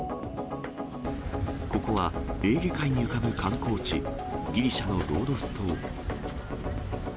ここはエーゲ海に浮かぶ観光地、ギリシャのロードス島。